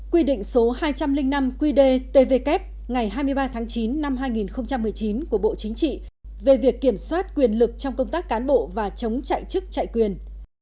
quy định số hai trăm linh năm qd tvk ngày hai mươi ba tháng chín năm hai nghìn một mươi chín của bộ chính trị về việc kiểm soát quyền lực trong công tác cán bộ và chống chạy chức chạy quyền